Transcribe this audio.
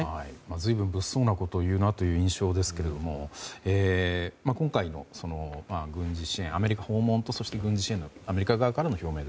随分、物騒なことを言うなという印象ですけども今回のアメリカ訪問とそして軍事支援のアメリカ側からの表明。